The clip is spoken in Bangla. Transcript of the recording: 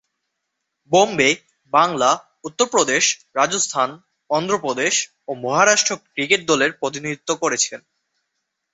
বোম্বে, বাংলা, উত্তরপ্রদেশ, রাজস্থান, অন্ধ্রপ্রদেশ ও মহারাষ্ট্র ক্রিকেট দলের প্রতিনিধিত্ব করেছেন।